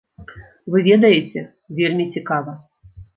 Вы ведаеце, вельмі цікава.